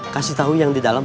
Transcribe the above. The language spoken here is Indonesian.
kasih tahu yang di dalam